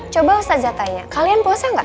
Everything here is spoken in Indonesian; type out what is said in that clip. coba ustazah tanya kalian puasa gak